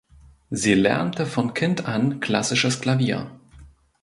Sie lernte von Kind an klassisches Klavier.